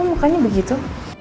kok mukanya begitu